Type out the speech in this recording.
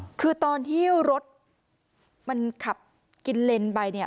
คือตอนที่รถมันขับกินเลนไปเนี่ย